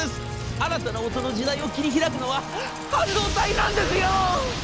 新たな音の時代を切り開くのは半導体なんですよぉ！』。